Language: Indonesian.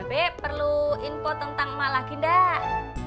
ba be perlu info tentang emak lagi enggak